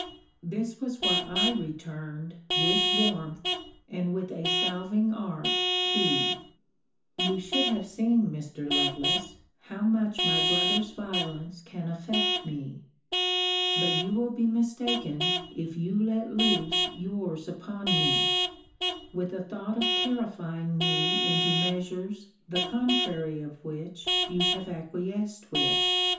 This was what I returned, with warmth, and with a salving art too You should have seen, Mr. Lovelace, how much my brother's violence can affect me: but you will be mistaken if you let loose yours upon me, with a thought of terrifying me into measures the contrary of which you have acquiesced with.